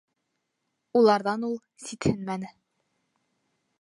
Уларҙан ул ситһенмәне.